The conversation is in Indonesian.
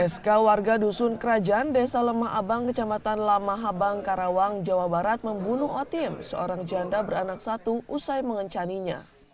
sk warga dusun kerajaan desa lemah abang kecamatan lamahabang karawang jawa barat membunuh otim seorang janda beranak satu usai mengencaninya